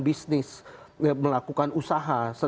bisnis melakukan usaha